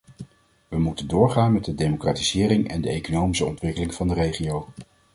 We moeten doorgaan met de democratisering en de economische ontwikkeling van de regio.